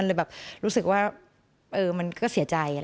เลยแบบรู้สึกว่ามันก็เสียใจ